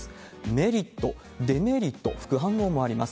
メリット、デメリット、副反応もあります。